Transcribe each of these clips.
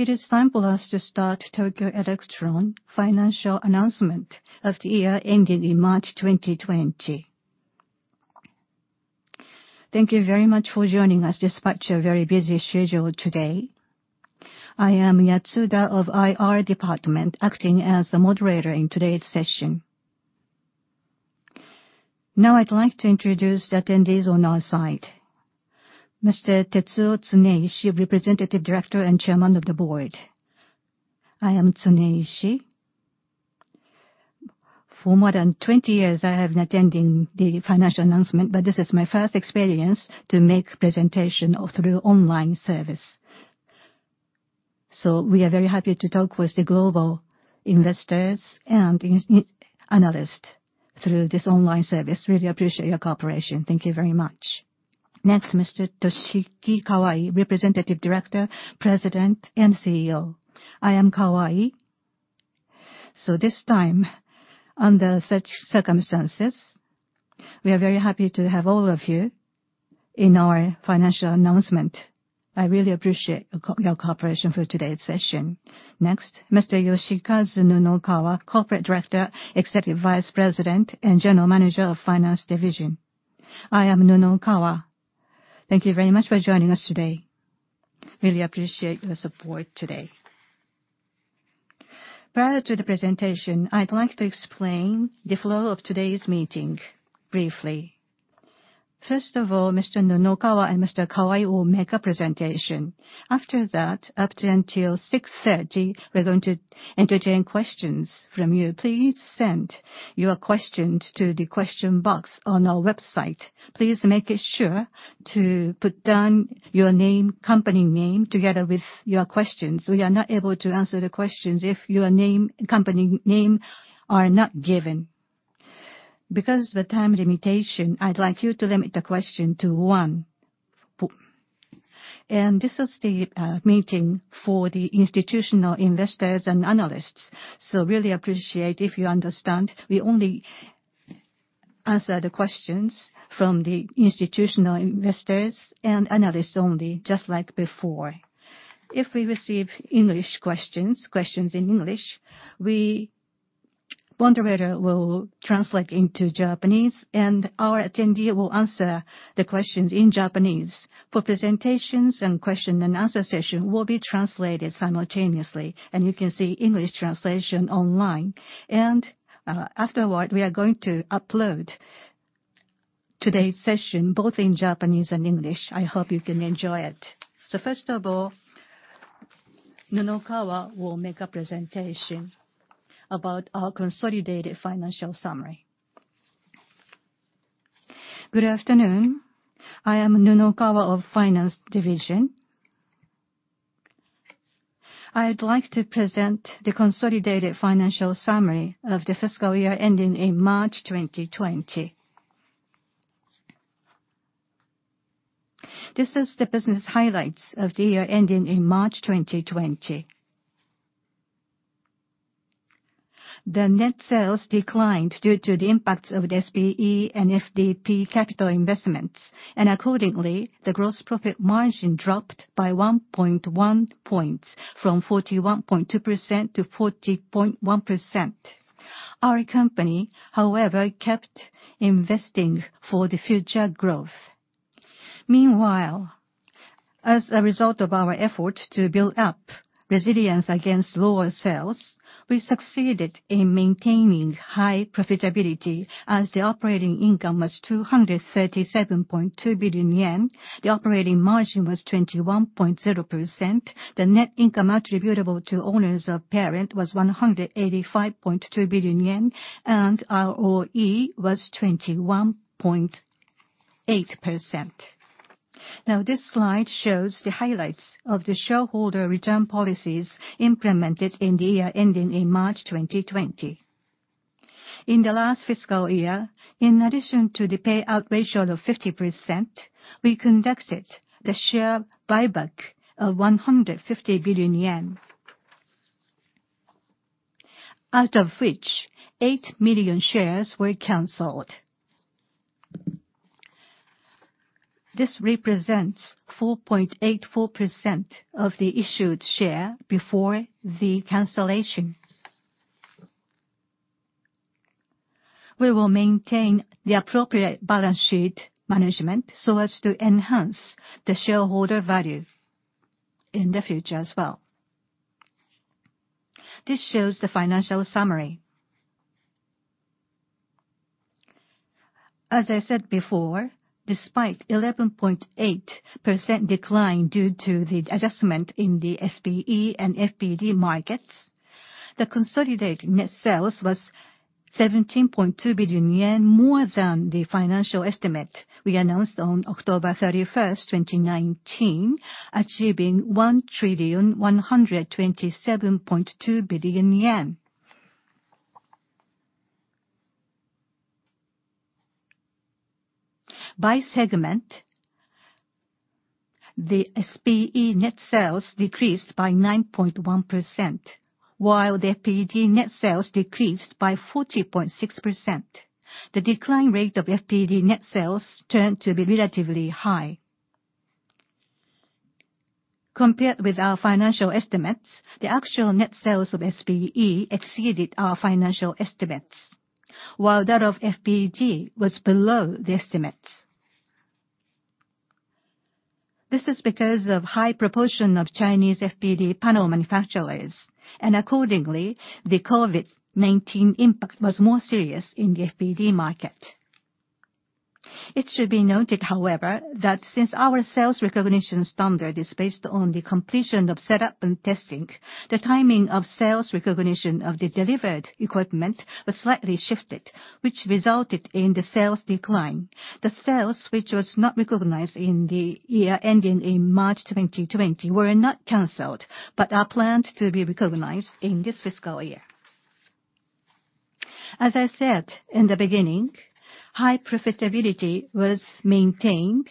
It is time for us to start Tokyo Electron financial announcement of the year ending in March 2020. Thank you very much for joining us despite your very busy schedule today. I am Yatsuda of IR department, acting as the moderator in today's session. I'd like to introduce the attendees on our side. Mr. Tetsuo Tsuneishi, Representative Director and Chairman of the Board. I am Tsuneishi. For more than 20 years, I have been attending the financial announcement, this is my first experience to make presentation through online service. We are very happy to talk with the global investors and analysts through this online service. I really appreciate your cooperation. Thank you very much. Mr. Toshiki Kawai, Representative Director, President and CEO. I am Kawai. This time, under such circumstances, we are very happy to have all of you in our financial announcement. I really appreciate your cooperation for today's session. Next, Mr. Yoshikazu Nunokawa, Corporate Director, Executive Vice President, and General Manager of Finance Division. I am Nunokawa. Thank you very much for joining us today. Really appreciate your support today. Prior to the presentation, I'd like to explain the flow of today's meeting briefly. First of all, Mr. Nunokawa and Mr. Kawai will make a presentation. After that, up until 6:30 P.M., we're going to entertain questions from you. Please send your questions to the question box on our website. Please make sure to put down your name, company name, together with your questions. We are not able to answer the questions if your name and company name are not given. Because of the time limitation, I'd like you to limit the question to one. This is the meeting for the institutional investors and analysts. Really appreciate if you understand. We only answer the questions from the institutional investors and analysts only, just like before. If we receive English questions, moderator will translate into Japanese, and our attendee will answer the questions in Japanese. For presentations and question and answer session will be translated simultaneously, and you can see English translation online. Afterward, we are going to upload today's session both in Japanese and English. I hope you can enjoy it. First of all, Nunokawa will make a presentation about our consolidated financial summary. Good afternoon. I am Nunokawa of Finance Division. I'd like to present the consolidated financial summary of the fiscal year ending in March 2020. This is the business highlights of the year ending in March 2020. The net sales declined due to the impacts of the SPE and FPD capital investments. Accordingly, the gross profit margin dropped by 1.1 points from 41.2% to 40.1%. Our company, however, kept investing for the future growth. Meanwhile, as a result of our effort to build up resilience against lower sales, we succeeded in maintaining high profitability as the operating income was 237.2 billion yen. The operating margin was 21.0%. The net income attributable to owners of parent was 185.2 billion yen. ROE was 21.8%. This slide shows the highlights of the shareholder return policies implemented in the year ending in March 2020. In the last fiscal year, in addition to the payout ratio of 50%, we conducted the share buyback of 150 billion yen. Out of which, 8 million shares were canceled. This represents 4.84% of the issued share before the cancellation. We will maintain the appropriate balance sheet management so as to enhance the shareholder value in the future as well. This shows the financial summary. As I said before, despite 11.8% decline due to the adjustment in the SPE and FPD markets, the consolidated net sales was 1,127.2 billion yen, more than the financial estimate we announced on October 31st, 2019, achieving JPY 1,127.2 billion. By segment, the SPE net sales decreased by 9.1%. While the FPD net sales decreased by 40.6%, the decline rate of FPD net sales turned to be relatively high. Compared with our financial estimates, the actual net sales of SPE exceeded our financial estimates, while that of FPD was below the estimates. This is because of high proportion of Chinese FPD panel manufacturers, and accordingly, the COVID-19 impact was more serious in the FPD market. It should be noted, however, that since our sales recognition standard is based on the completion of setup and testing, the timing of sales recognition of the delivered equipment was slightly shifted, which resulted in the sales decline. The sales which was not recognized in the year ending in March 2020 were not canceled, but are planned to be recognized in this fiscal year. As I said in the beginning, high profitability was maintained,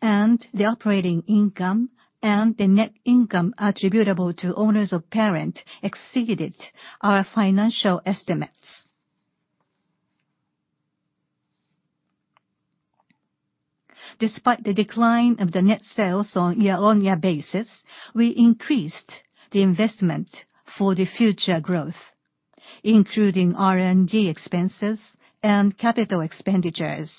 and the operating income and the net income attributable to owners of parent exceeded our financial estimates. Despite the decline of the net sales on year-on-year basis, we increased the investment for the future growth, including R&D expenses and capital expenditures.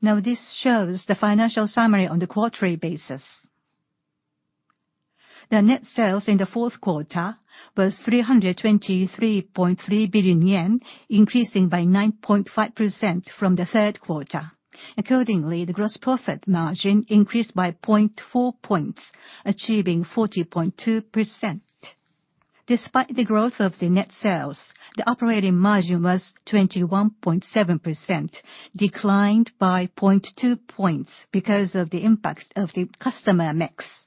This shows the financial summary on the quarterly basis. The net sales in the fourth quarter was 323.3 billion yen, increasing by 9.5% from the third quarter. Accordingly, the gross profit margin increased by 0.4 points, achieving 40.2%. Despite the growth of the net sales, the operating margin was 21.7%, declined by 0.2 points because of the impact of the customer mix.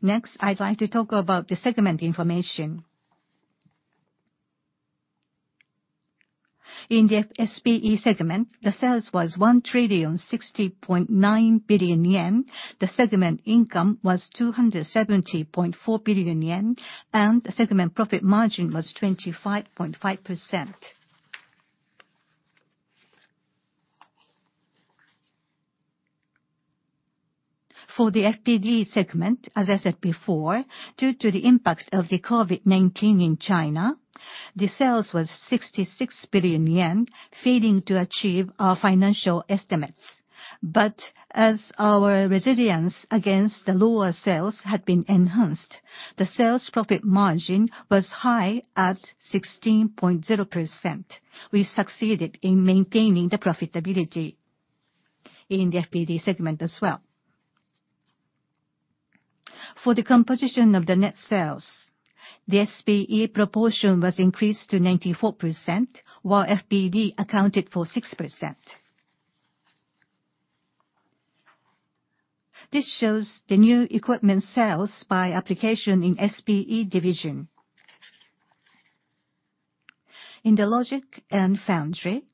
Next, I'd like to talk about the segment information. In the SPE segment, the sales was 1,060.9 billion yen. The segment income was 270.4 billion yen, and the segment profit margin was 25.5%. For the FPD segment, as I said before, due to the impact of the COVID-19 in China, the sales was 66 billion yen, failing to achieve our financial estimates. As our resilience against the lower sales had been enhanced, the sales profit margin was high at 16.0%. We succeeded in maintaining the profitability in the FPD segment as well. For the composition of the net sales, the SPE proportion was increased to 94%, while FPD accounted for 6%. This shows the new equipment sales by application in SPE division. In the logic and foundry,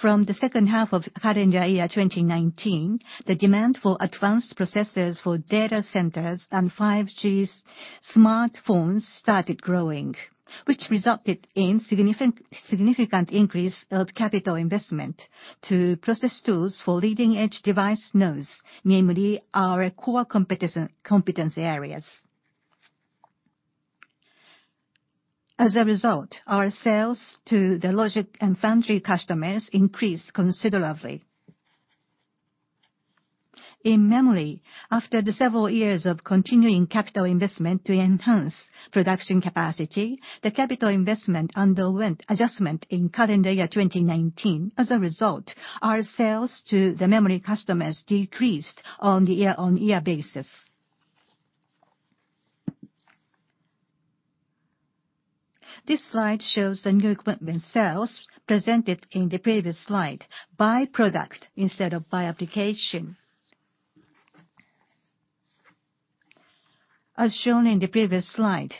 from the second half of calendar year 2019, the demand for advanced processors for data centers and 5G smartphones started growing, which resulted in significant increase of capital investment to process tools for leading-edge device nodes, namely our core competence areas. As a result, our sales to the logic and foundry customers increased considerably. In memory, after the several years of continuing capital investment to enhance production capacity, the capital investment underwent adjustment in calendar year 2019. As a result, our sales to the memory customers decreased on the year-on-year basis. This slide shows the new equipment sales presented in the previous slide by product instead of by application. As shown in the previous slide,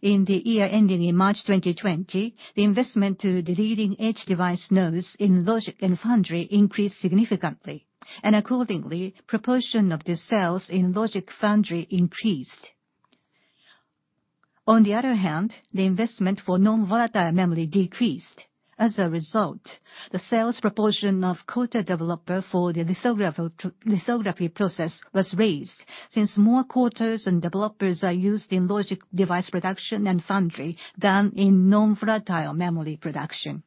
in the year ending in March 2020, the investment to the leading-edge device nodes in logic and foundry increased significantly, accordingly, proportion of the sales in logic foundry increased. On the other hand, the investment for non-volatile memory decreased. As a result, the sales proportion of coater/developer for the lithography process was raised since more coaters and developers are used in logic device production and foundry than in non-volatile memory production.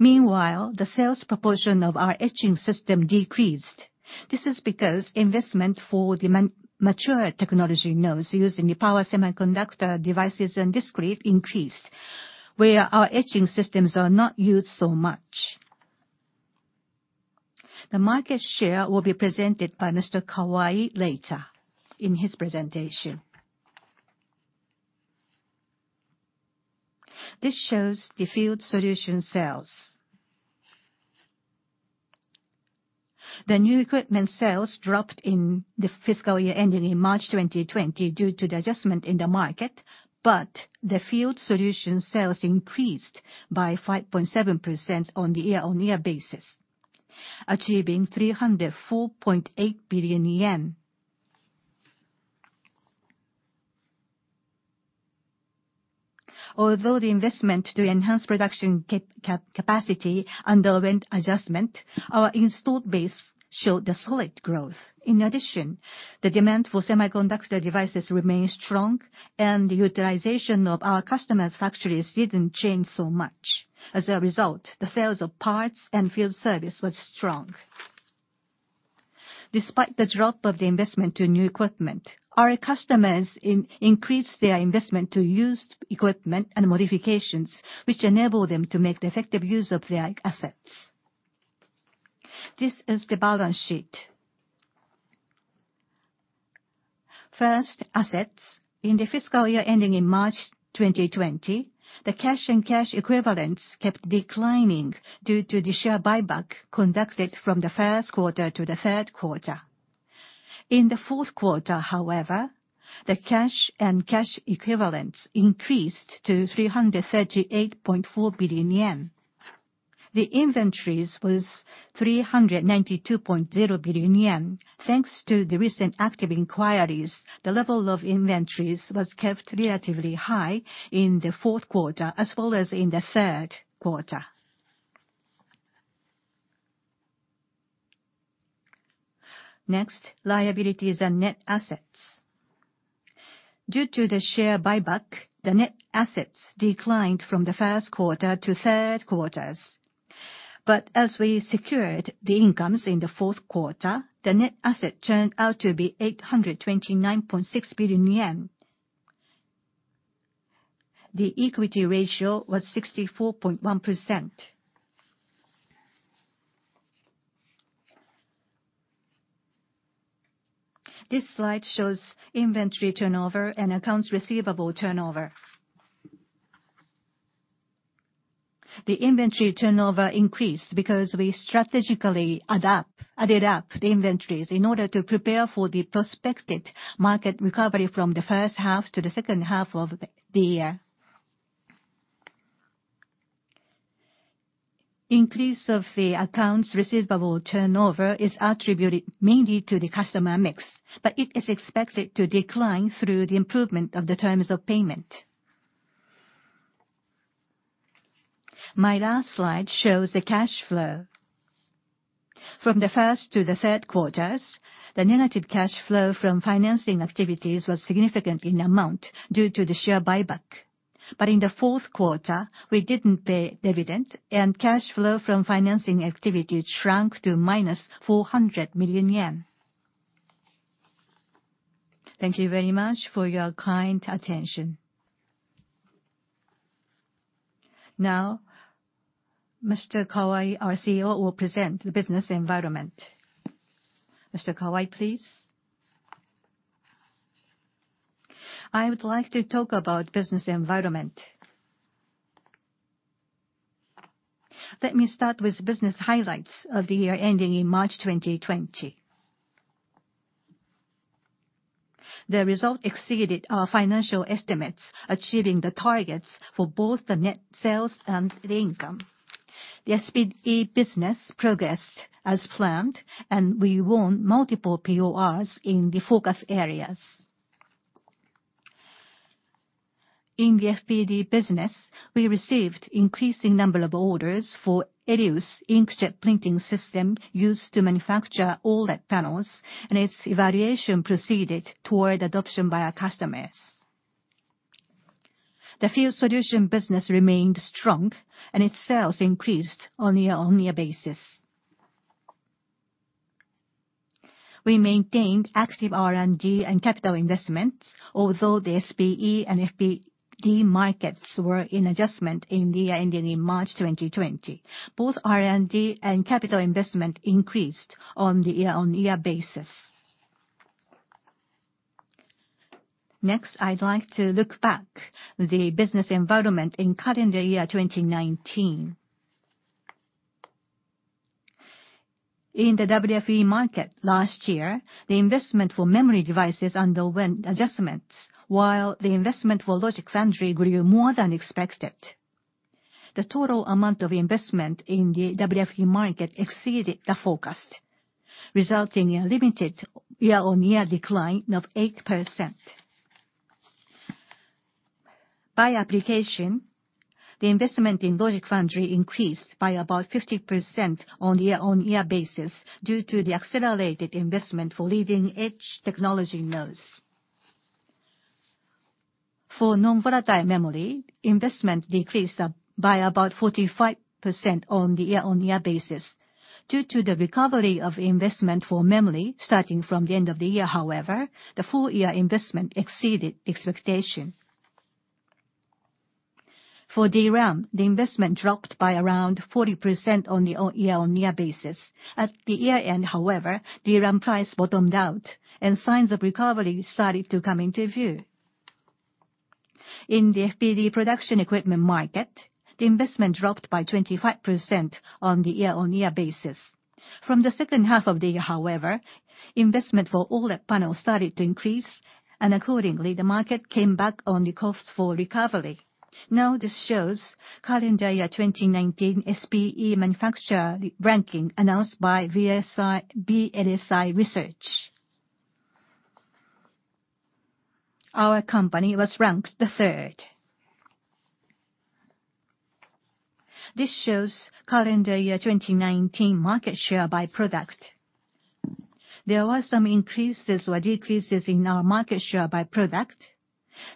Meanwhile, the sales proportion of our etching system decreased. This is because investment for the mature technology nodes used in the power semiconductor devices and discrete increased, where our etching systems are not used so much. The market share will be presented by Mr. Kawai later in his presentation. This shows the field solution sales. The new equipment sales dropped in the fiscal year ending in March 2020 due to the adjustment in the market, but the field solution sales increased by 5.7% on the year-on-year basis, achieving JPY 304.8 billion. Although the investment to enhance production capacity underwent adjustment, our installed base showed a solid growth. In addition, the demand for semiconductor devices remained strong, and the utilization of our customers' factories didn't change so much. As a result, the sales of parts and field service was strong. Despite the drop of the investment to new equipment, our customers increased their investment to used equipment and modifications, which enabled them to make the effective use of their assets. This is the balance sheet. First, assets. In the fiscal year ending in March 2020, the cash and cash equivalents kept declining due to the share buyback conducted from the first quarter to the third quarter. In the fourth quarter, however, the cash and cash equivalents increased to 338.4 billion yen. The inventories was 392.0 billion yen. Thanks to the recent active inquiries, the level of inventories was kept relatively high in the fourth quarter, as well as in the third quarter. Next, liabilities and net assets. Due to the share buyback, the net assets declined from the first quarter to third quarters. As we secured the incomes in the fourth quarter, the net asset turned out to be 829.6 billion yen. The equity ratio was 64.1%. This slide shows inventory turnover and accounts receivable turnover. The inventory turnover increased because we strategically added up the inventories in order to prepare for the prospective market recovery from the first half to the second half of the year. Increase of the accounts receivable turnover is attributed mainly to the customer mix, but it is expected to decline through the improvement of the terms of payment. My last slide shows the cash flow. From the first to the third quarters, the negative cash flow from financing activities was significant in amount due to the share buyback. In the fourth quarter, we didn't pay dividend, and cash flow from financing activity shrunk to minus 400 million yen. Thank you very much for your kind attention. Mr. Kawai, our CEO, will present the business environment. Mr. Kawai, please. I would like to talk about business environment. Let me start with business highlights of the year ending in March 2020. The result exceeded our financial estimates, achieving the targets for both the net sales and the income. The SPE business progressed as planned, and we won multiple PORs in the focus areas. In the FPD business, we received increasing number of orders for Elius inkjet printing system used to manufacture OLED panels, and its evaluation proceeded toward adoption by our customers. The field solution business remained strong, and its sales increased on a year-on-year basis. We maintained active R&D and capital investments, although the SPE and FPD markets were in adjustment in the year ending in March 2020. Both R&D and capital investment increased on a year-on-year basis. Next, I'd like to look back the business environment in calendar year 2019. In the WFE market last year, the investment for memory devices underwent adjustments, while the investment for logic foundry grew more than expected. The total amount of investment in the WFE market exceeded the forecast, resulting in a limited year-on-year decline of 8%. By application, the investment in logic foundry increased by about 50% on year-on-year basis due to the accelerated investment for leading-edge technology nodes. For non-volatile memory, investment decreased by about 45% on the year-on-year basis. Due to the recovery of investment for memory starting from the end of the year, however, the full year investment exceeded expectation. For DRAM, the investment dropped by around 40% on the year-on-year basis. At the year-end, however, DRAM price bottomed out and signs of recovery started to come into view. In the FPD production equipment market, the investment dropped by 25% on the year-on-year basis. From the second half of the year, however, investment for all our panels started to increase, and accordingly, the market came back on the course for recovery. Now this shows current year 2019 SPE manufacturer ranking announced by VLSIresearch. Our company was ranked the third. This shows current year 2019 market share by product. There were some increases or decreases in our market share by product.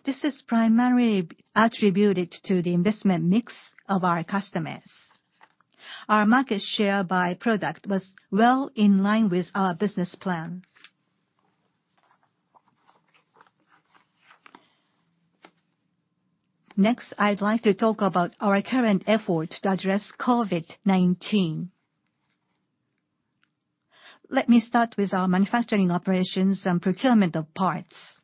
This is primarily attributed to the investment mix of our customers. Our market share by product was well in line with our business plan. Next, I'd like to talk about our current effort to address COVID-19. Let me start with our manufacturing operations and procurement of parts.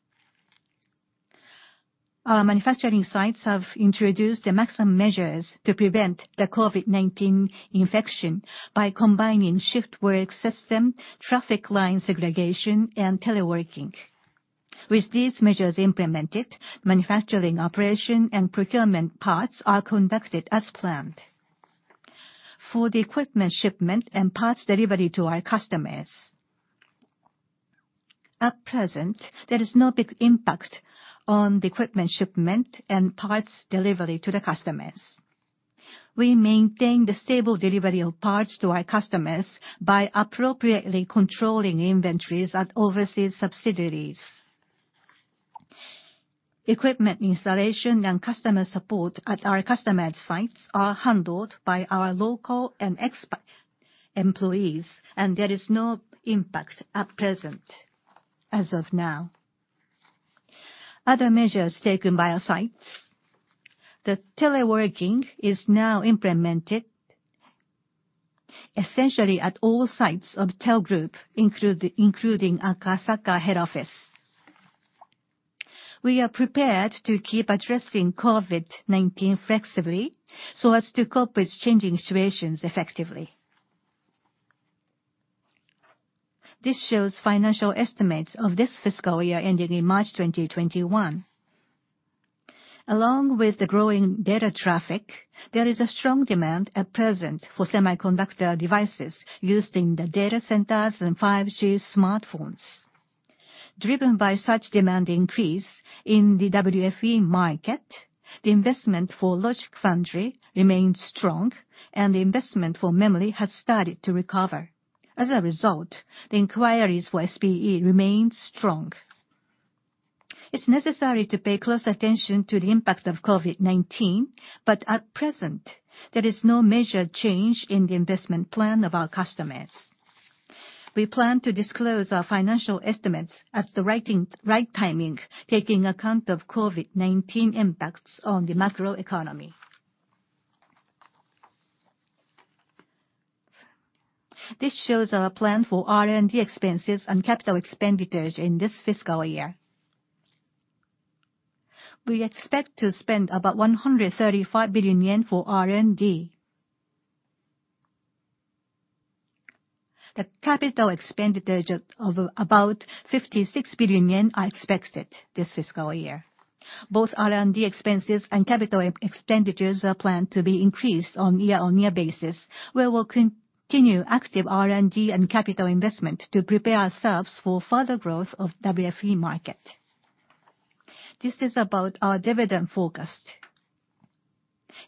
Our manufacturing sites have introduced the maximum measures to prevent the COVID-19 infection by combining shift work system, traffic line segregation, and teleworking. With these measures implemented, manufacturing operation and procurement parts are conducted as planned. For the equipment shipment and parts delivery to our customers, at present, there is no big impact on the equipment shipment and parts delivery to the customers. We maintain the stable delivery of parts to our customers by appropriately controlling inventories at overseas subsidiaries. Equipment installation and customer support at our customer sites are handled by our local and expat employees, and there is no impact at present as of now. Other measures taken by our sites, the teleworking is now implemented essentially at all sites of TEL group, including our Osaka head office. We are prepared to keep addressing COVID-19 flexibly so as to cope with changing situations effectively. This shows financial estimates of this fiscal year ending in March 2021. Along with the growing data traffic, there is a strong demand at present for semiconductor devices used in the data centers and 5G smartphones. Driven by such demand increase in the WFE market, the investment for logic foundry remains strong, and the investment for memory has started to recover. As a result, the inquiries for SPE remains strong. It's necessary to pay close attention to the impact of COVID-19, but at present, there is no major change in the investment plan of our customers. We plan to disclose our financial estimates at the right timing, taking account of COVID-19 impacts on the macro economy. This shows our plan for R&D expenses and capital expenditures in this fiscal year. We expect to spend about 135 billion yen for R&D. The capital expenditure of about 56 billion yen are expected this fiscal year. Both R&D expenses and capital expenditures are planned to be increased on a year-on-year basis. We will continue active R&D and capital investment to prepare ourselves for further growth of WFE market. This is about our dividend forecast.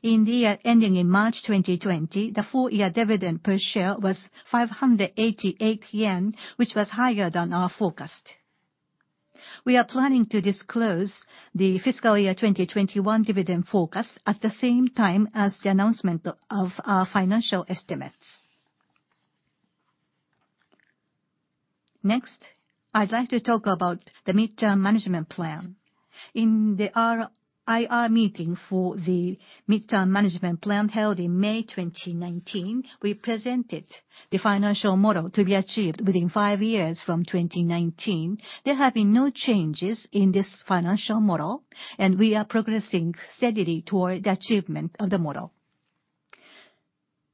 In the year ending in March 2020, the full year dividend per share was 588 yen, which was higher than our forecast. We are planning to disclose the fiscal year 2021 dividend forecast at the same time as the announcement of our financial estimates. Next, I'd like to talk about the midterm management plan. In the IR meeting for the midterm management plan held in May 2019, we presented the financial model to be achieved within five years from 2019. There have been no changes in this financial model, and we are progressing steadily toward the achievement of the model.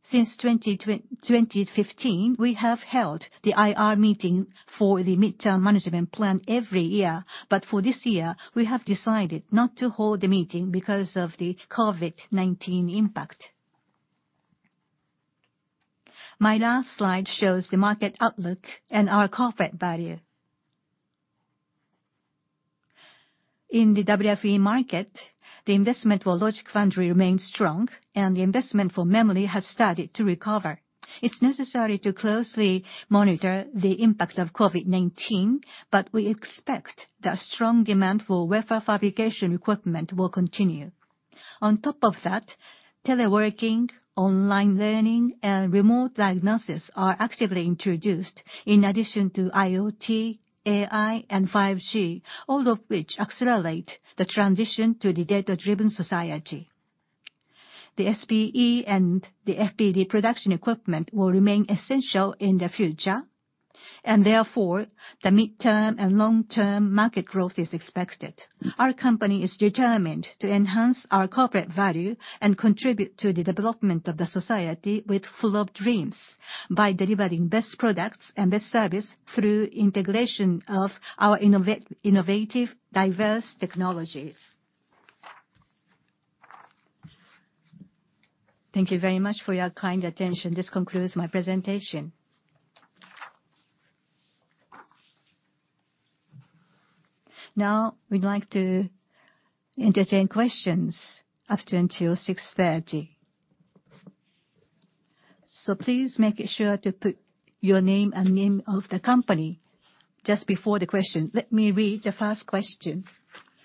Since 2015, we have held the IR meeting for the midterm management plan every year, but for this year, we have decided not to hold the meeting because of the COVID-19 impact. My last slide shows the market outlook and our corporate value. In the WFE market, the investment for logic foundry remains strong, and the investment for memory has started to recover. It's necessary to closely monitor the impact of COVID-19, but we expect that strong demand for wafer fabrication equipment will continue. On top of that, teleworking, online learning, and remote diagnosis are actively introduced in addition to IoT, AI, and 5G, all of which accelerate the transition to the data-driven society. The SPE and the FPD production equipment will remain essential in the future, and therefore, the midterm and long-term market growth is expected. Our company is determined to enhance our corporate value and contribute to the development of the society with full of dreams by delivering best products and best service through integration of our innovative diverse technologies. Thank you very much for your kind attention. This concludes my presentation. Now, we'd like to entertain questions up until 6:30 P.M. Please make sure to put your name and name of the company just before the question. Let me read the first question.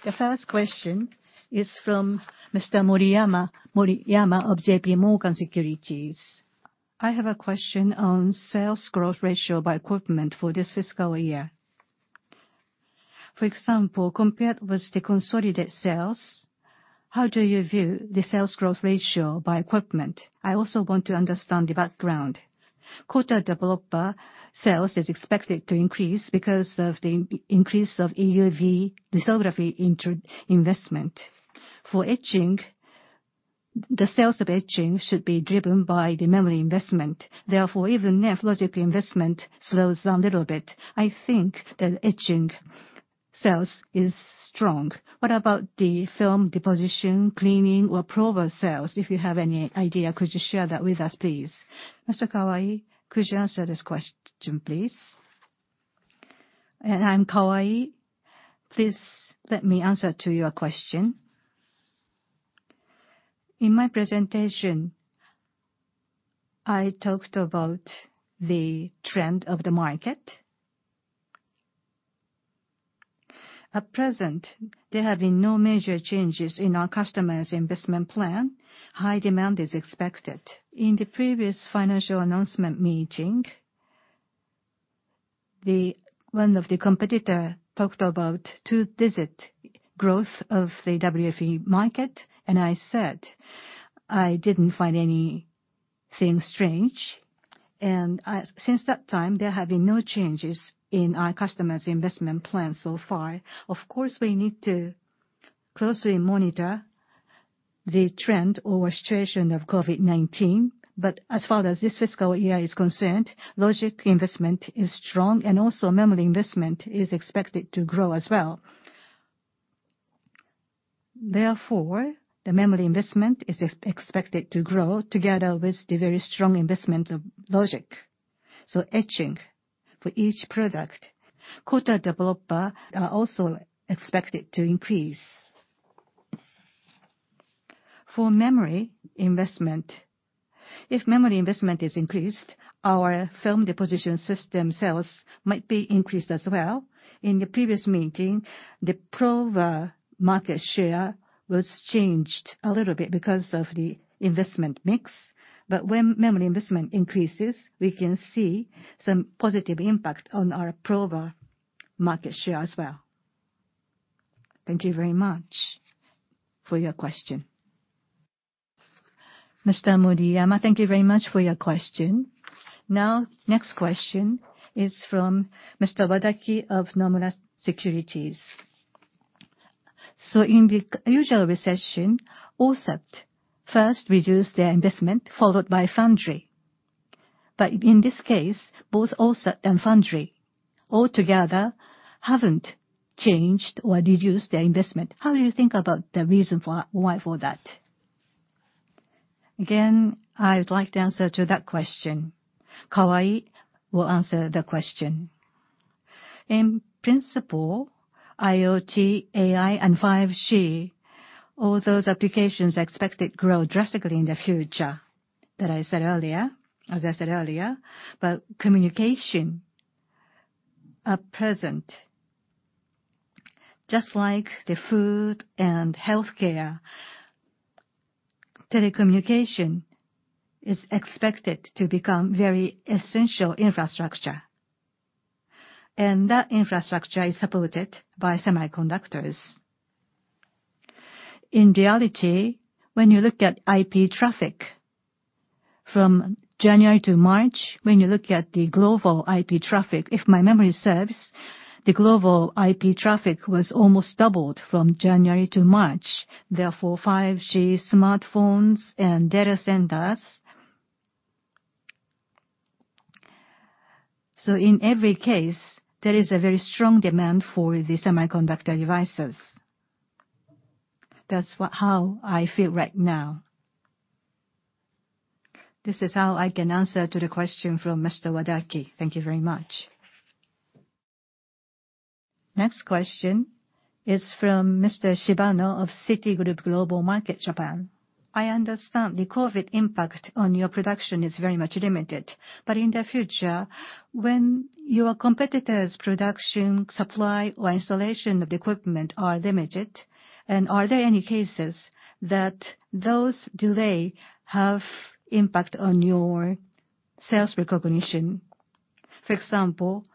The first question is from Mr. Moriyama of JPMorgan Chase & Co. I have a question on sales growth ratio by equipment for this fiscal year. For example, compared with the consolidated sales, how do you view the sales growth ratio by equipment? I also want to understand the background. Coater developer sales is expected to increase because of the increase of EUV lithography investment. For etching, the sales of etching should be driven by the memory investment. Even if logic investment slows down a little bit, I think that etching sales is strong. What about the film deposition, cleaning, or prober sales? If you have any idea, could you share that with us, please? Mr. Kawai, could you answer this question, please? I'm Kawai. Please let me answer to your question. In my presentation, I talked about the trend of the market. At present, there have been no major changes in our customers' investment plan. High demand is expected. In the previous financial announcement meeting, one of the competitor talked about two-digit growth of the WFE market, and I said I didn't find anything strange, and since that time, there have been no changes in our customers' investment plan so far. Of course, we need to closely monitor the trend or situation of COVID-19, but as far as this fiscal year is concerned, logic investment is strong, and also memory investment is expected to grow as well. Therefore, the memory investment is expected to grow together with the very strong investment of logic. Etching for each product. Coater developer are also expected to increase. For memory investment, if memory investment is increased, our film deposition system sales might be increased as well. In the previous meeting, the prober market share was changed a little bit because of the investment mix. When memory investment increases, we can see some positive impact on our prober market share as well. Thank you very much for your question. Mr. Moriyama, thank you very much for your question. Now, next question is from Mr. Wadaki of Nomura Securities. In the usual recession, OSAT first reduced their investment, followed by foundry. In this case, both OSAT and foundry altogether haven't changed or reduced their investment. How do you think about the reason for why for that? Again, I would like to answer to that question. Kawai will answer the question. In principle, IoT, AI, and 5G, all those applications are expected to grow drastically in the future. As I said earlier, about communication at present, just like the food and healthcare, telecommunication is expected to become very essential infrastructure, and that infrastructure is supported by semiconductors. In reality, when you look at the global IP traffic from January to March, if my memory serves, the global IP traffic was almost doubled from January to March. 5G smartphones and data centers. In every case, there is a very strong demand for the semiconductor devices. That's how I feel right now. This is how I can answer to the question from Mr. Wadaki. Thank you very much. Next question is from Mr. Shibano of Citigroup Global Markets Japan. I understand the COVID-19 impact on your production is very much limited. In the future, when your competitors' production supply or installation of the equipment are limited, are there any cases that those delay have impact on your sales recognition? For example,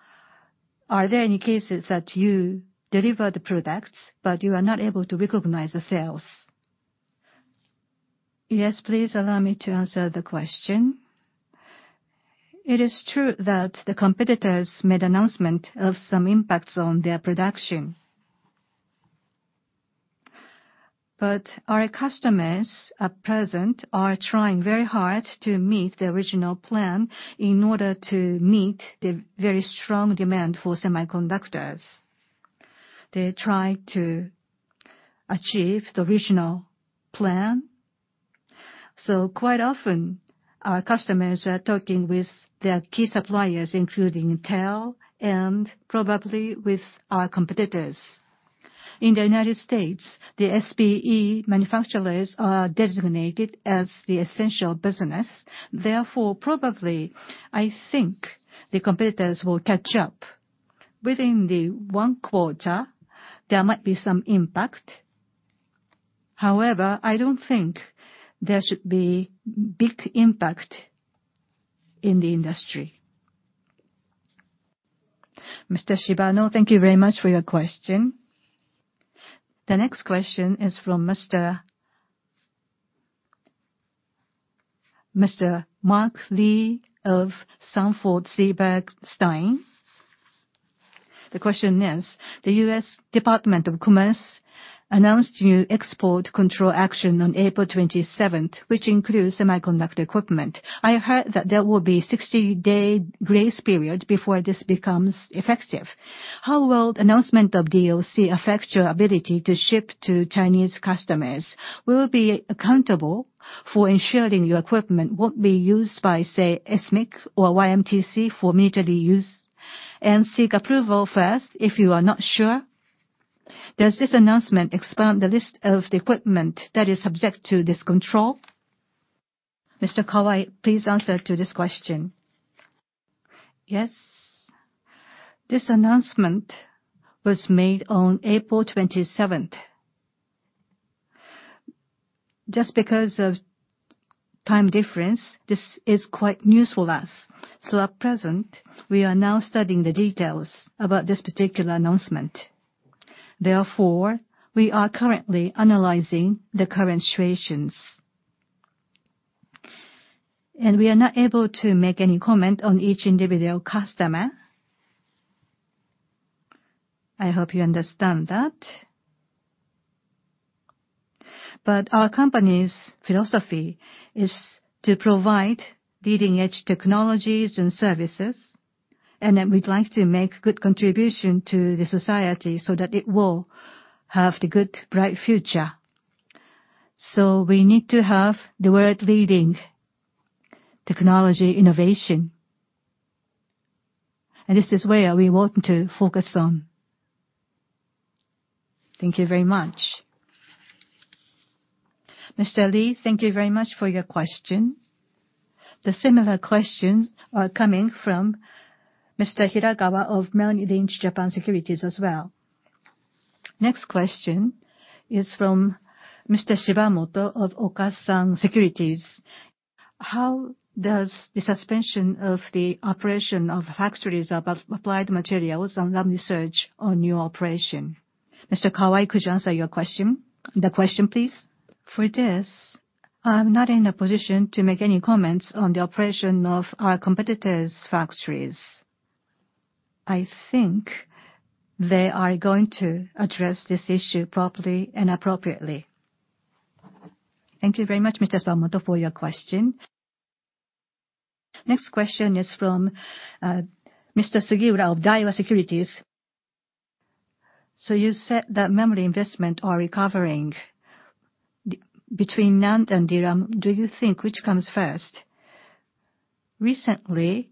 are there any cases that you deliver the products, you are not able to recognize the sales? Yes, please allow me to answer the question. It is true that the competitors made announcement of some impacts on their production. Our customers at present are trying very hard to meet the original plan in order to meet the very strong demand for semiconductors. They try to achieve the original plan. Quite often, our customers are talking with their key suppliers, including Intel, and probably with our competitors. In the U.S., the SPE manufacturers are designated as the essential business. Therefore, probably, I think the competitors will catch up. Within the one quarter, there might be some impact. However, I don't think there should be big impact in the industry. Mr. Shibano, thank you very much for your question. The next question is from Mr. Mark Li of Sanford C. Bernstein. The question is: The U.S. Department of Commerce announced new export control action on April 27th, which includes semiconductor equipment. I heard that there will be 60-day grace period before this becomes effective. How will announcement of DOC affect your ability to ship to Chinese customers? Will it be accountable for ensuring your equipment won't be used by, say, SMIC or YMTC for military use, and seek approval first, if you are not sure? Does this announcement expand the list of the equipment that is subject to this control? Mr. Kawai, please answer to this question. Yes. This announcement was made on April 27th. Just because of time difference, this is quite news for us. At present, we are now studying the details about this particular announcement. Therefore, we are currently analyzing the current situations. We are not able to make any comment on each individual customer. I hope you understand that. Our company's philosophy is to provide leading-edge technologies and services, we'd like to make good contribution to the society so that it will have the good, bright future. We need to have the world-leading technology innovation. This is where we want to focus on. Thank you very much. Mr. Li, thank you very much for your question. The similar questions are coming from Mr. Hirakawa of Merrill Lynch Japan Securities as well. Next question is from Mr. Shimamoto of Okasan Securities. How does the suspension of the operation of factories of Applied Materials and Lam Research on your operation? Mr. Kawai, could you answer your question, please? I'm not in a position to make any comments on the operation of our competitors' factories. I think they are going to address this issue properly and appropriately. Thank you very much, Mr. Shimamoto, for your question. Next question is from Mr. Sugiura of Daiwa Securities. You said that memory investment are recovering. Between NAND and DRAM, do you think which comes first? Recently,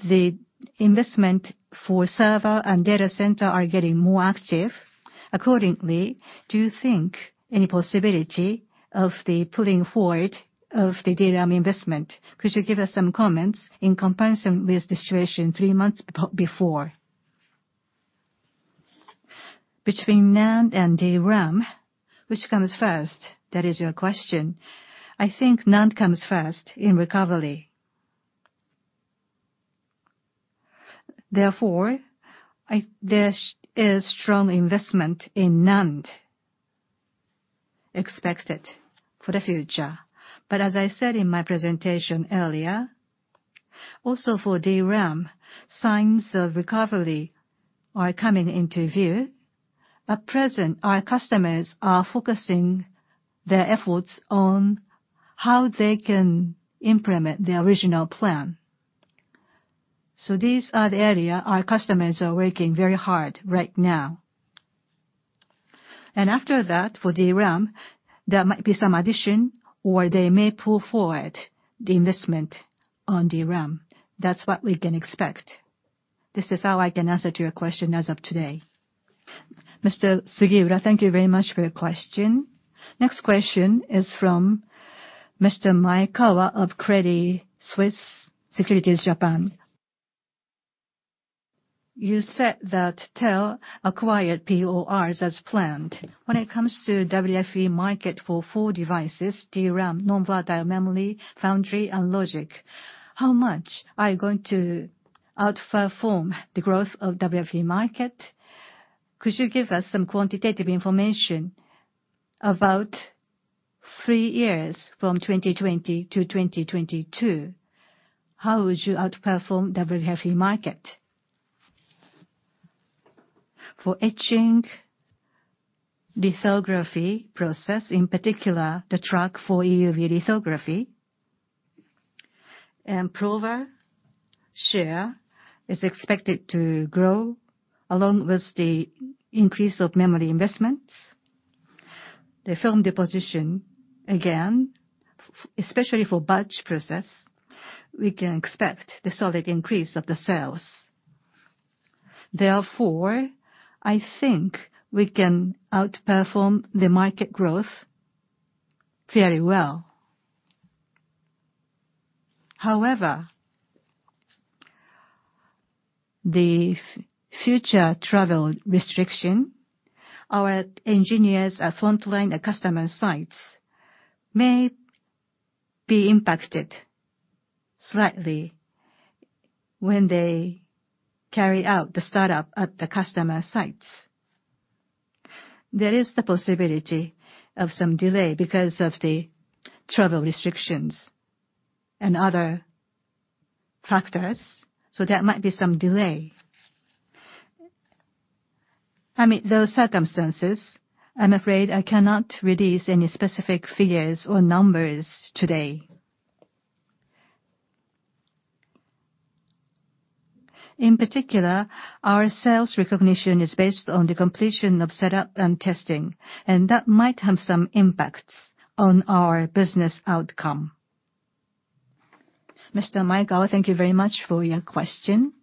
the investment for server and data center are getting more active. Do you think any possibility of the pulling forward of the DRAM investment? Could you give us some comments in comparison with the situation three months before? Between NAND and DRAM, which comes first? That is your question. I think NAND comes first in recovery. Therefore, there is strong investment in NAND expected for the future. As I said in my presentation earlier, also for DRAM, signs of recovery are coming into view. At present, our customers are focusing their efforts on how they can implement the original plan. These are the area our customers are working very hard right now. After that, for DRAM, there might be some addition, or they may pull forward the investment on DRAM. That's what we can expect. This is how I can answer to your question as of today. Mr. Sugiura, thank you very much for your question. Next question is from Mr. Maekawa of Credit Suisse Securities Japan. You said that TEL acquired PORs as planned. When it comes to WFE market for four devices, DRAM, non-volatile memory, foundry, and logic, how much are you going to outperform the growth of WFE market? Could you give us some quantitative information about three years from 2020 to 2022? How would you outperform WFE market? For etching lithography process, in particular, the track for EUV lithography, and prober share is expected to grow along with the increase of memory investments. The film deposition, again, especially for batch process, we can expect the solid increase of the sales. Therefore, I think we can outperform the market growth very well. However, the future travel restriction, our engineers at frontline and customer sites may be impacted slightly when they carry out the startup at the customer sites. There is the possibility of some delay because of the travel restrictions and other factors, so there might be some delay. Amid those circumstances, I'm afraid I cannot release any specific figures or numbers today. In particular, our sales recognition is based on the completion of setup and testing, and that might have some impacts on our business outcome. Mr. Maekawa, thank you very much for your question.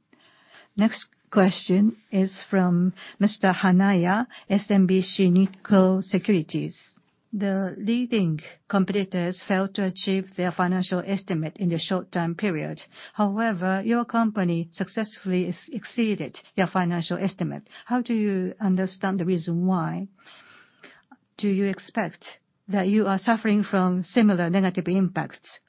Next question is from Mr. Hanaya, SMBC Nikko Securities. The leading competitors failed to achieve their financial estimate in the short-term period. Your company successfully exceeded your financial estimate. How do you understand the reason why? Do you expect that you are suffering from similar negative impacts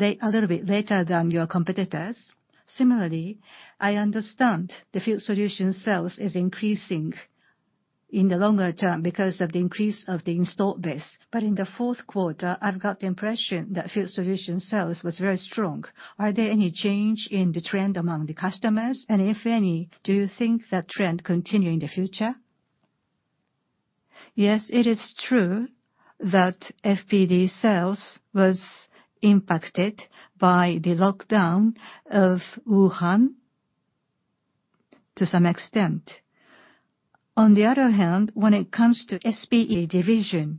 a little bit later than your competitors? Similarly, I understand the field solution sales is increasing in the longer term because of the increase of the installed base. In the fourth quarter, I've got the impression that field solution sales was very strong. Are there any change in the trend among the customers? If any, do you think that trend continue in the future? Yes, it is true that FPD sales was impacted by the lockdown of Wuhan to some extent. When it comes to SPE Division,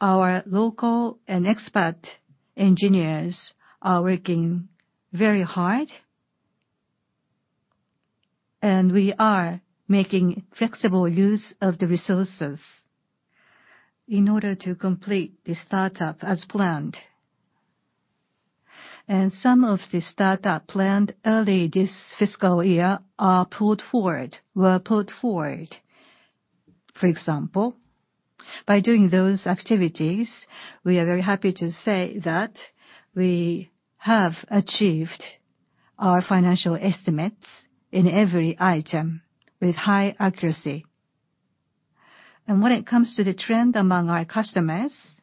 our local and expert engineers are working very hard, and we are making flexible use of the resources in order to complete the startup as planned. Some of the startup planned early this fiscal year were pulled forward. For example, by doing those activities, we are very happy to say that we have achieved our financial estimates in every item with high accuracy. When it comes to the trend among our customers,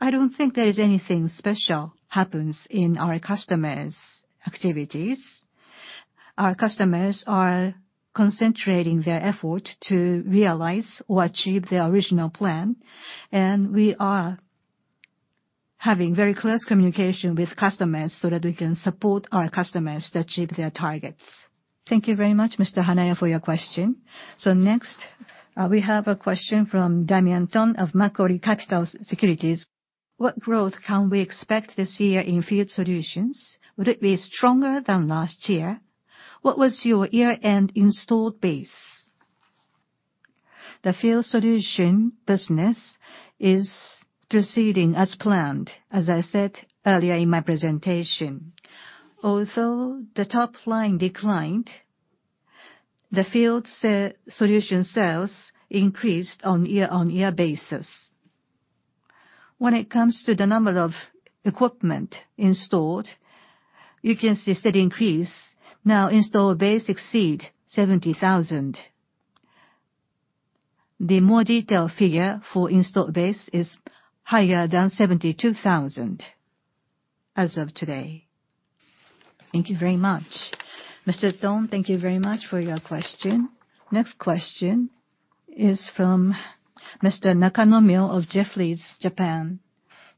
I don't think there is anything special happens in our customers' activities. Our customers are concentrating their effort to realize or achieve their original plan, and we are having very close communication with customers so that we can support our customers to achieve their targets. Thank you very much, Mr. Hanaya, for your question. Next, we have a question from Damian Thong of Macquarie Capital Securities. What growth can we expect this year in field solutions? Would it be stronger than last year? What was your year-end installed base? The field solution business is proceeding as planned, as I said earlier in my presentation. Although the top line declined, the field solution sales increased on year-on-year basis. When it comes to the number of equipment installed, you can see a steady increase. Now installed base exceed 70,000. The more detailed figure for installed base is higher than 72,000 as of today. Thank you very much. Mr. Thong, thank you very much for your question. Next question is from Mr. Nakanomyo of Jefferies Japan.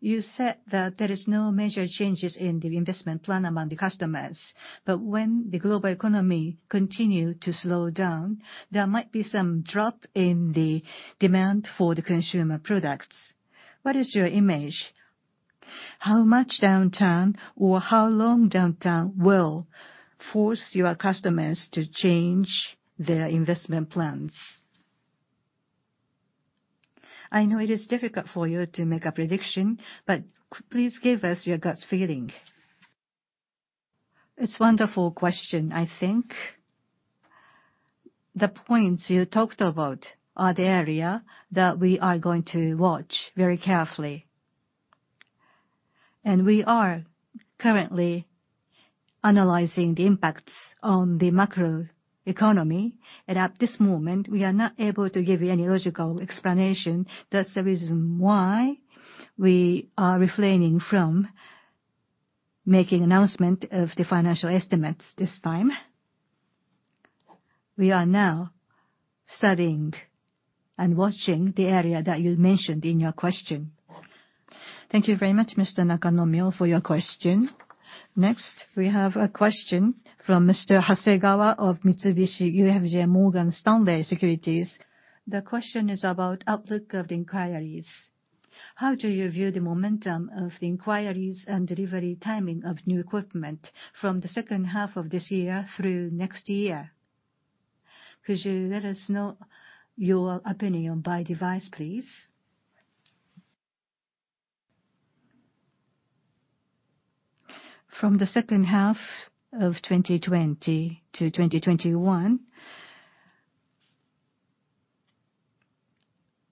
You said that there is no major changes in the investment plan among the customers. When the global economy continue to slow down, there might be some drop in the demand for the consumer products. What is your image? How much downturn or how long downturn will force your customers to change their investment plans?I know it is difficult for you to make a prediction, but please give us your gut feeling. It's a wonderful question. I think the points you talked about are the area that we are going to watch very carefully. We are currently analyzing the impacts on the macro economy. At this moment, we are not able to give you any logical explanation. That's the reason why we are refraining from making announcement of the financial estimates this time. We are now studying and watching the area that you mentioned in your question. Thank you very much, Mr. Nakanomyo, for your question. Next, we have a question from Mr. Hasegawa of Mitsubishi UFJ Morgan Stanley Securities. The question is about outlook of the inquiries. How do you view the momentum of the inquiries and delivery timing of new equipment from the second half of this year through next year? Could you let us know your opinion by device, please? From the second half of 2020 to 2021,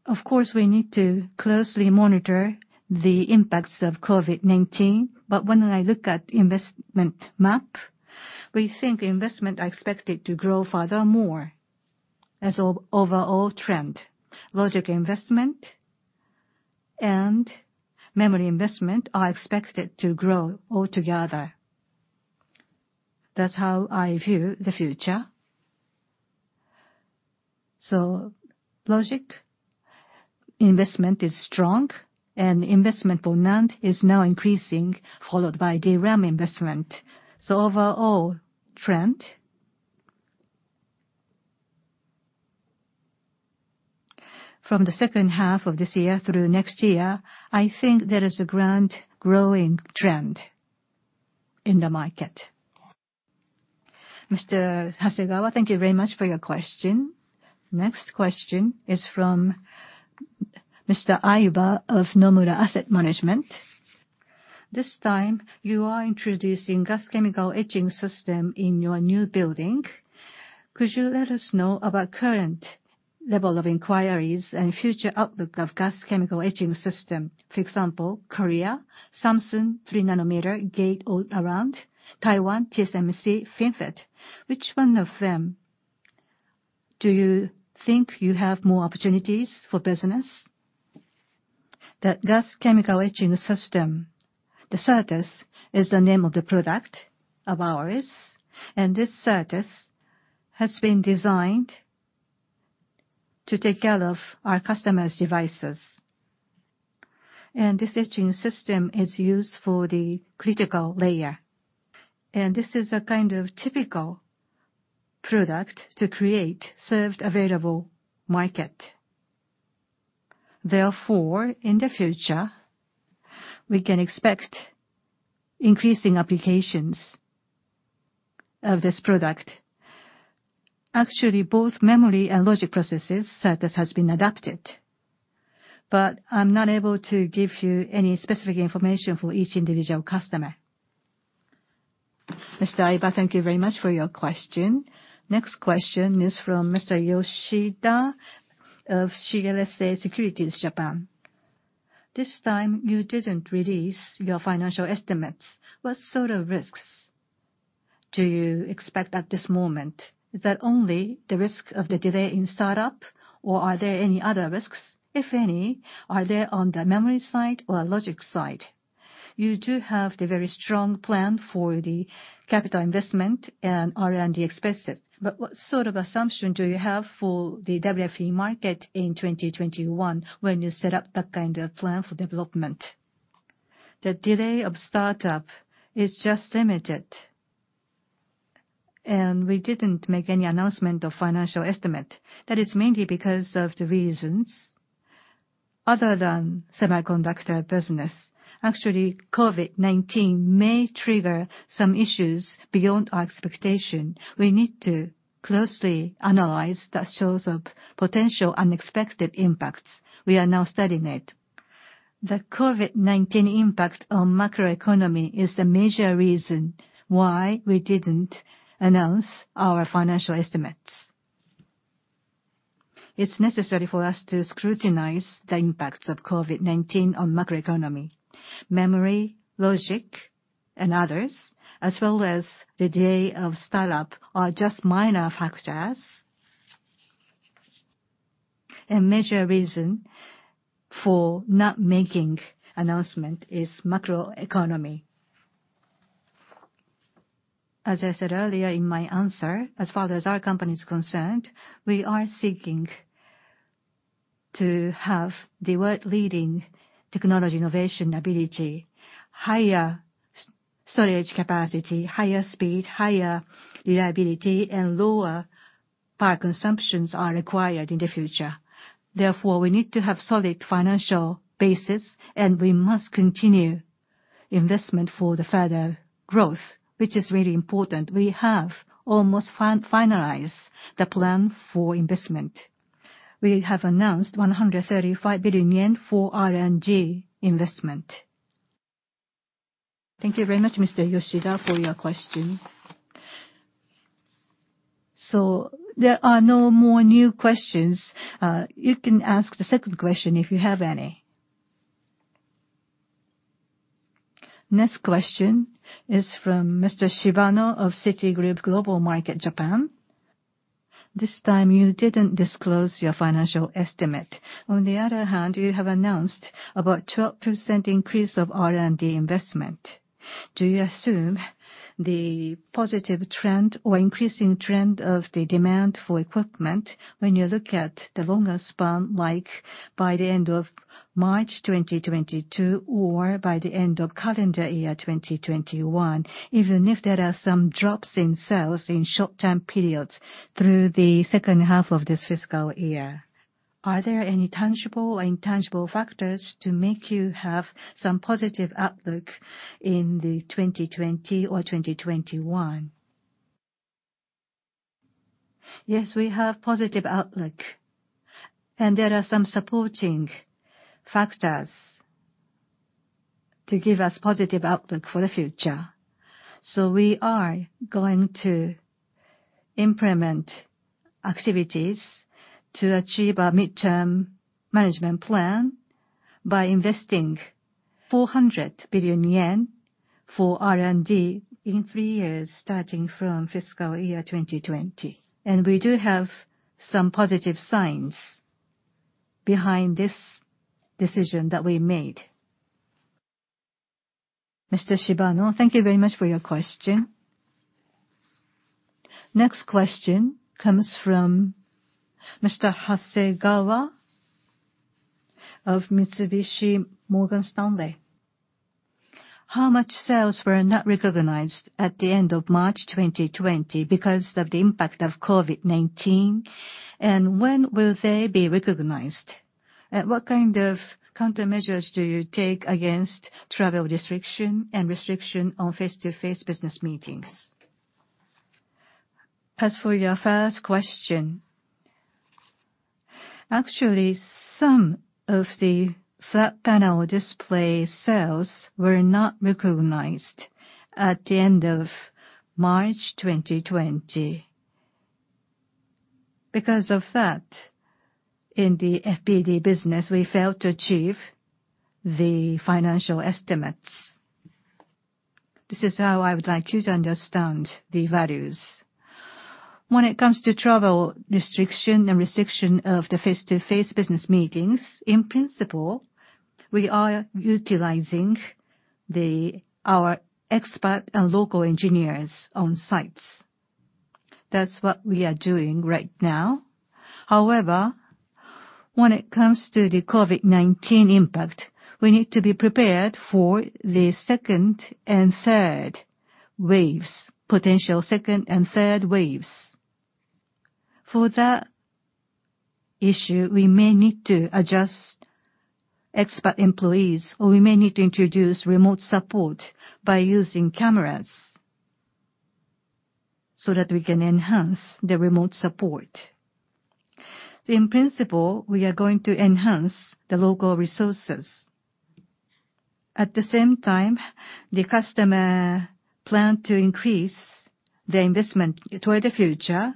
of course, we need to closely monitor the impacts of COVID-19. When I look at investment map, we think investment are expected to grow furthermore as an overall trend. Logic investment and memory investment are expected to grow altogether. That's how I view the future. Logic investment is strong, and investment on NAND is now increasing, followed by DRAM investment. Overall trend, from the second half of this year through next year, I think there is a grand growing trend in the market. Mr. Hasegawa, thank you very much for your question. Next question is from Mr. Aiba of Nomura Asset Management. This time, you are introducing gas chemical etching system in your new building. Could you let us know about current level of inquiries and future outlook of gas chemical etching system? For example, Korea, Samsung, 3 nm Gate-All-Around, Taiwan, TSMC, FinFET. Which one of them do you think you have more opportunities for business? The gas chemical etching system, the Certas is the name of the product of ours, and this Certas has been designed to take care of our customers' devices. This etching system is used for the critical layer. This is a kind of typical product to create served available market. Therefore, in the future, we can expect increasing applications of this product. Actually, both memory and logic processes, Certas has been adapted. I'm not able to give you any specific information for each individual customer. Mr. Aiba, thank you very much for your question. Next question is from Mr. Yoshida of CLSA Securities Japan. This time you didn't release your financial estimates. What sort of risks do you expect at this moment? Is that only the risk of the delay in startup, or are there any other risks? If any, are they on the memory side or logic side? You do have the very strong plan for the capital investment and R&D expenses, what sort of assumption do you have for the WFE market in 2021 when you set up that kind of plan for development? The delay of startup is just limited, we didn't make any announcement of financial estimate. That is mainly because of the reasons other than semiconductor business. Actually, COVID-19 may trigger some issues beyond our expectation. We need to closely analyze that shows of potential unexpected impacts. We are now studying it. The COVID-19 impact on macroeconomy is the major reason why we didn't announce our financial estimates. It's necessary for us to scrutinize the impacts of COVID-19 on macroeconomy. Memory, logic, and others, as well as the day of startup, are just minor factors. A major reason for not making announcement is macroeconomy. As I said earlier in my answer, as far as our company is concerned, we are seeking to have the world-leading technology innovation ability, higher storage capacity, higher speed, higher reliability, and lower power consumptions are required in the future. We need to have solid financial basis, and we must continue investment for the further growth, which is really important. We have almost finalized the plan for investment. We have announced 135 billion yen for R&D investment. Thank you very much, Mr. Yoshida, for your question. There are no more new questions. You can ask the second question if you have any. Next question is from Mr. Shibano of Citigroup Global Markets Japan. This time, you didn't disclose your financial estimate. On the other hand, you have announced about a 12% increase of R&D investment. Do you assume the positive trend or increasing trend of the demand for equipment when you look at the longer span, like by the end of March 2022 or by the end of calendar year 2021, even if there are some drops in sales in short-term periods through the second half of this fiscal year? Are there any tangible or intangible factors to make you have some positive outlook in the 2020 or 2021? Yes, we have positive outlook. There are some supporting factors to give us positive outlook for the future. We are going to implement activities to achieve our midterm management plan by investing 400 billion yen for R&D in three years, starting from fiscal year 2020. We do have some positive signs behind this decision that we made. Mr. Shibano, thank you very much for your question. Next question comes from Mr. Hasegawa of Mitsubishi UFJ Morgan Stanley Securities. How much sales were not recognized at the end of March 2020 because of the impact of COVID-19? When will they be recognized? What kind of countermeasures do you take against travel restriction and restriction on face-to-face business meetings? As for your first question, actually, some of the flat panel display sales were not recognized at the end of March 2020. Because of that, in the FPD business, we failed to achieve the financial estimates. This is how I would like you to understand the values. When it comes to travel restriction and restriction of the face-to-face business meetings, in principle, we are utilizing our expat and local engineers on sites. That's what we are doing right now. When it comes to the COVID-19 impact, we need to be prepared for the potential second and third waves. For that issue, we may need to adjust expat employees, or we may need to introduce remote support by using cameras so that we can enhance the remote support. In principle, we are going to enhance the local resources. The customer plan to increase the investment toward the future.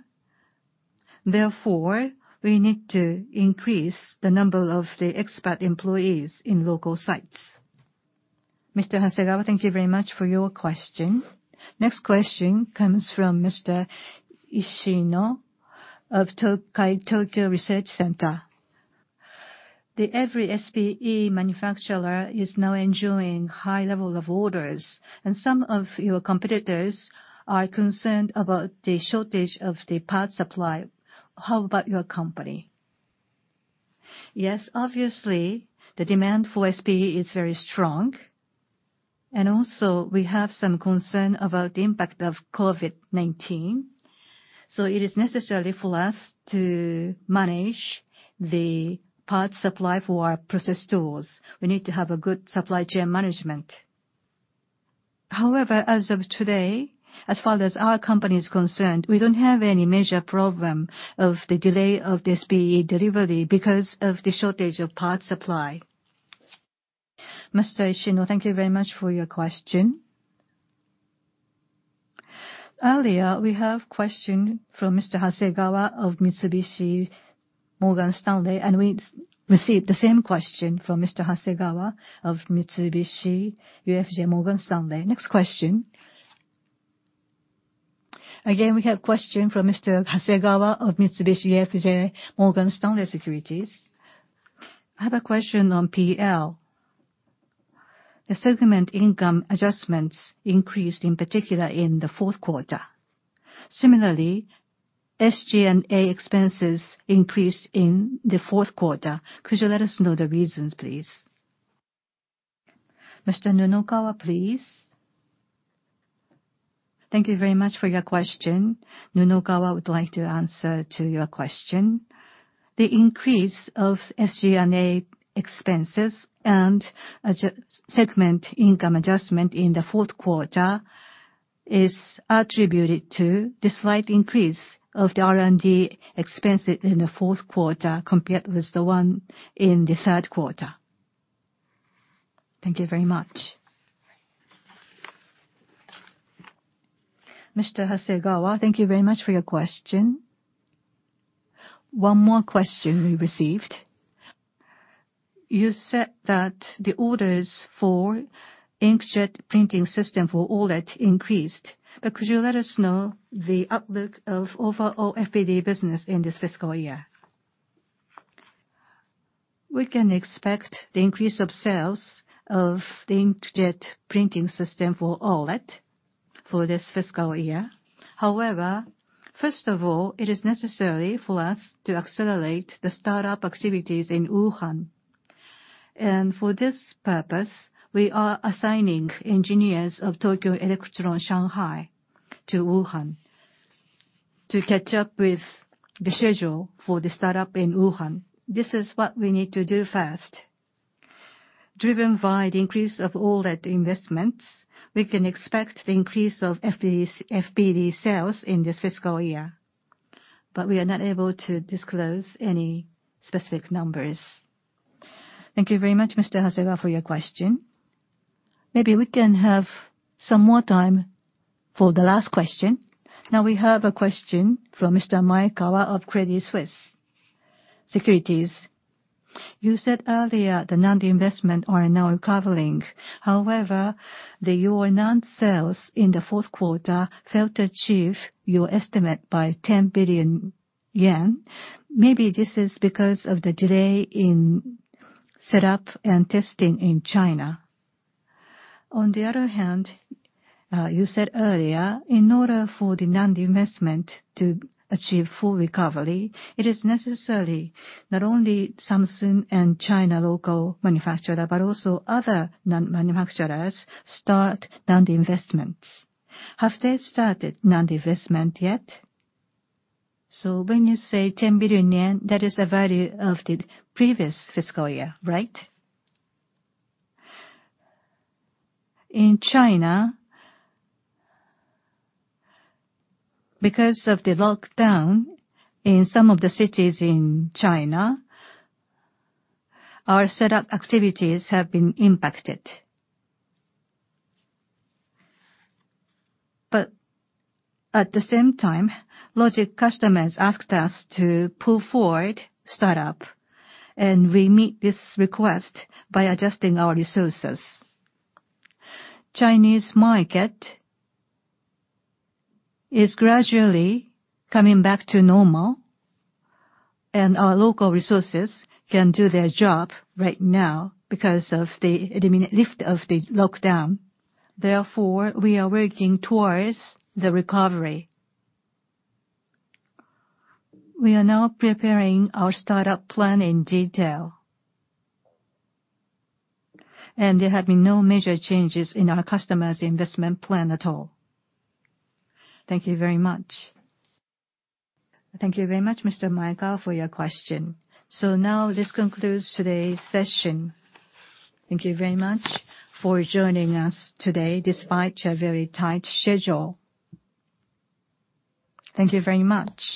We need to increase the number of the expat employees in local sites. Mr. Hasegawa, thank you very much for your question. Next question comes from Mr. Ishino of Tokai Tokyo Research Center. Every SPE manufacturer is now enjoying high level of orders. Some of your competitors are concerned about the shortage of the parts supply. How about your company? Yes, obviously, the demand for SPE is very strong, and also we have some concern about the impact of COVID-19. It is necessary for us to manage the parts supply for our process tools. We need to have a good supply chain management. However, as of today, as far as our company is concerned, we don't have any major problem of the delay of the SPE delivery because of the shortage of parts supply. Mr. Ishino, thank you very much for your question. Earlier, we have question from Mr. Hasegawa of Mitsubishi UFJ Morgan Stanley, and we received the same question from Mr. Hasegawa of Mitsubishi UFJ Morgan Stanley. Next question. Again, we have question from Mr. Hasegawa of Mitsubishi UFJ Morgan Stanley Securities. I have a question on P&L. The segment income adjustments increased in particular in the fourth quarter. Similarly, SG&A expenses increased in the fourth quarter. Could you let us know the reasons, please? Mr. Nunokawa, please. Thank you very much for your question. Nunokawa would like to answer your question. The increase of SG&A expenses and segment income adjustment in the fourth quarter is attributed to the slight increase of the R&D expenses in the fourth quarter compared with the one in the third quarter. Thank you very much. Mr. Hasegawa, thank you very much for your question. One more question we received. You said that the orders for inkjet printing system for OLED increased, but could you let us know the outlook of overall FPD business in this fiscal year? We can expect the increase of sales of the inkjet printing system for OLED for this fiscal year. However, first of all, it is necessary for us to accelerate the startup activities in Wuhan. For this purpose, we are assigning engineers of Tokyo Electron Shanghai to Wuhan to catch up with the schedule for the startup in Wuhan. This is what we need to do first. Driven by the increase of all OLED investments, we can expect the increase of FPD sales in this fiscal year, but we are not able to disclose any specific numbers. Thank you very much, Mr. Hasegawa, for your question. Maybe we can have some more time for the last question. Now we have a question from Mr. Maekawa of Credit Suisse Securities. You said earlier that NAND investment are now recovering. However, the your NAND sales in the fourth quarter failed to achieve your estimate by 10 billion yen. Maybe this is because of the delay in setup and testing in China. On the other hand, you said earlier, in order for the NAND investment to achieve full recovery, it is necessary not only Samsung and China local manufacturer, but also other NAND manufacturers start NAND investments. Have they started NAND investment yet? When you say 10 billion yen, that is the value of the previous fiscal year, right? In China, because of the lockdown in some of the cities in China, our setup activities have been impacted. At the same time, logic customers asked us to pull forward startup, and we meet this request by adjusting our resources. Chinese market is gradually coming back to normal, and our local resources can do their job right now because of the lift of the lockdown. Therefore, we are working towards the recovery. We are now preparing our startup plan in detail. There have been no major changes in our customers' investment plan at all. Thank you very much. Thank you very much, Mr. Maekawa, for your question. Now this concludes today's session. Thank you very much for joining us today, despite your very tight schedule. Thank you very much.